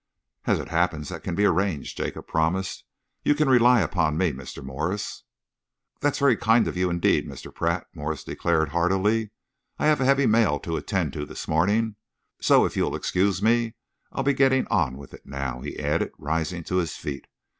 "As it happens, that can be arranged," Jacob promised. "You can rely upon me, Mr. Morse." "That's very kind of you indeed, Mr. Pratt," Morse declared heartily. "I have a heavy mail to attend to this morning, so if you'll excuse me I'll be getting on with it now," he added, rising to his feet.